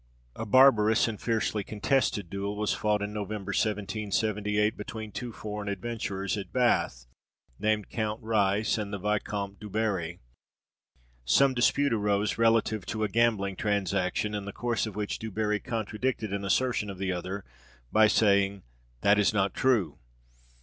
A barbarous and fiercely contested duel was fought in November 1778, between two foreign adventurers, at Bath, named Count Rice and the Vicomte du Barri. Some dispute arose relative to a gambling transaction, in the course of which Du Barri contradicted an assertion of the other, by saying "That is not true!"